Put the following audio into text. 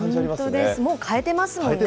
本当です、もう変えてますもんね。